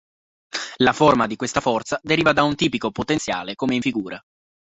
La forma di questa forza deriva da un tipico potenziale come in figura.